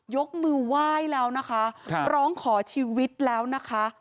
ยกมือไหว้แล้วนะคะร้องขอชีวิตแล้วนะคะ